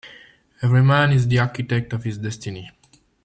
Every man is the architect of his destiny.